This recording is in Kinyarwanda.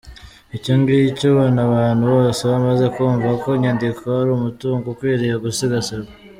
Icyo ngicyo ubona abantu bose bamaze kumva ko inyandiko ari umutungo ukwiriye gusigasirwa.